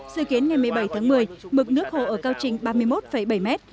dự kiến ngày một mươi bảy tháng một mươi mực nước hồ ở cao trình ba mươi một bảy mét